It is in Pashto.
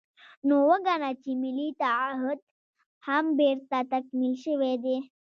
نو وګڼه چې ملي تعهُد هم بېرته تکمیل شوی دی.